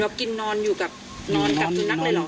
เห็นว่ากินนอนอยู่กับนอนกับสูนักได้เหรอ